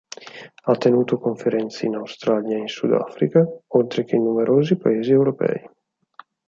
Ha tenuto conferenze in Australia e in Sudafrica, oltre che in numerosi paesi europei.